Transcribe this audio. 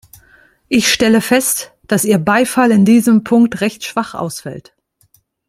Ich stelle fest, dass Ihr Beifall in diesem Punkt recht schwach ausfällt.